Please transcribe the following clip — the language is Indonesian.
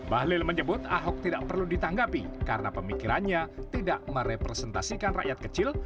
bahlil menyebut ahok tidak perlu ditanggapi karena pemikirannya tidak merepresentasikan rakyat kecil